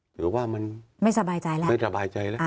หรือว่ามันไม่สบายใจแล้ว